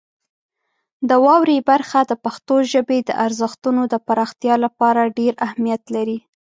د واورئ برخه د پښتو ژبې د ارزښتونو د پراختیا لپاره ډېر اهمیت لري.